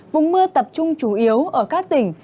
vùng mưa tập trung chủ yếu ở các tỉnh